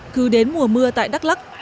cứ đến mùa mưa tại đắk lắc